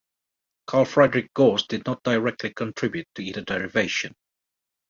Carl Friedrich Gauss did not directly contribute to either derivation.